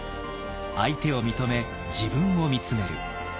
「相手を認め自分を見つめる！」